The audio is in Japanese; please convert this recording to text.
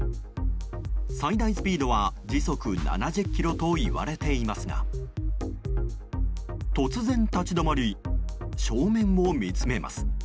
最大スピードは時速７０キロといわれていますが突然立ち止まり正面を見つめます。